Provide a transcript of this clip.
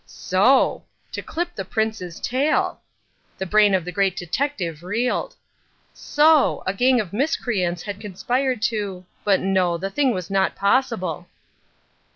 So! To clip the Prince's tail! The brain of the Great Detective reeled. So! a gang of miscreants had conspired to—but no! the thing was not possible.